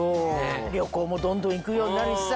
旅行もどんどん行くようになるしさ